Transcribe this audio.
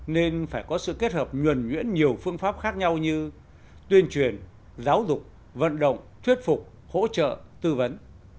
nên phải có sự kết hợp nhuẩn nhuyễn nhiều phương pháp khác nhau như tuyên truyền giáo dục vận động thuyết phục hỗ trợ tư vấn